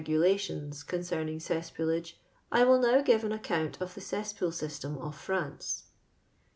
gulations concemiDg cesspoolage, I will now give an account of the cesspool system of France.